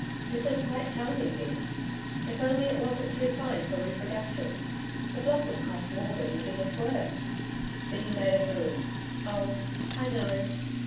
'This is quite charming, Biddy if only it wasn't too fine for reproduction. The block would cost more than the thing is worth.' Biddy made a MOUE. 'Oh, I know.